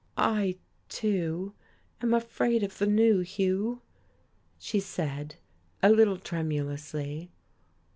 "I, too, am afraid of the new, Hugh," she said, a little tremulously.